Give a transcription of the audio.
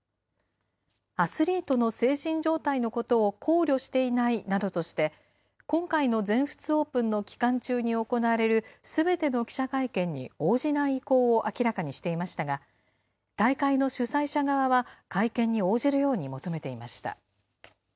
アスリートの精神状態のことを考慮していないなどとして、今回の全仏オープンの期間中に行われるすべての記者会見に応じない意向を明らかにしていましたが、大会の主催者側は、会見に応じるように求めていました。